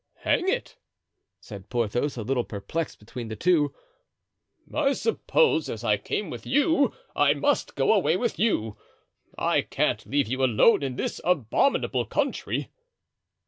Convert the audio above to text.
"Hang it!" said Porthos, a little perplexed between the two, "I suppose, as I came with you, I must go away with you. I can't leave you alone in this abominable country."